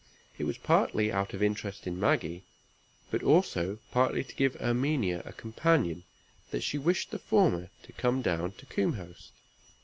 It was partly out of interest in Maggie, but also partly to give Erminia a companion, that she wished the former to come down to Combehurst.